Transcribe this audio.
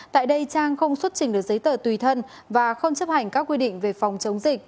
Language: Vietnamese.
tại đây trang không xuất trình được giấy tờ tùy thân và không chấp hành các quy định về phòng chống dịch